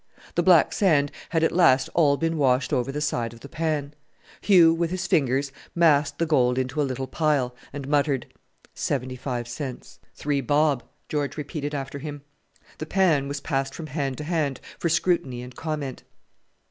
The black sand had at last all been washed over the side of the pan. Hugh, with his fingers, massed the gold into a little pile, and muttered, "Seventy five cents." "Three bob," George repeated after him. The pan was passed from hand to hand for scrutiny and comment.